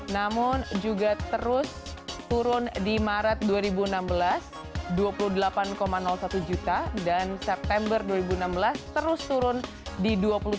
namun juga terus turun di maret dua ribu enam belas dua puluh delapan satu juta dan september dua ribu enam belas terus turun di dua puluh tujuh